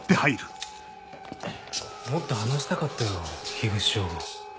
もっと話したかったよ口彰吾。